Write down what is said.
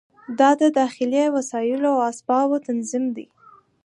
دا د داخلي وسایلو او اسبابو تنظیم دی.